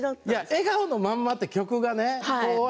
「笑顔のまんま」という曲がね